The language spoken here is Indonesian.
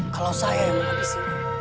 kalau saya yang melihat disini